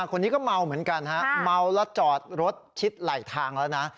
คนนี้ก็เมาเหมือนกันฮะเมาแล้วจอดรถชิดไหลทางแล้วนะ